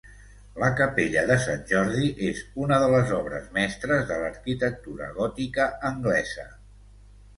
La capella de Sant Jordi és una de les obres mestres de l'arquitectura gòtica anglesa.